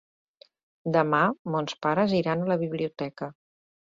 Demà mons pares iran a la biblioteca.